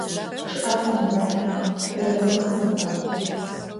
ЧъӀыэ зымгъалӀ, тэрэзэу зыфап.